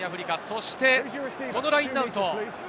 そしてこのラインアウト。